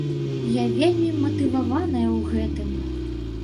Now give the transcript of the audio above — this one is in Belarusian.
Я вельмі матываваная ў гэтым.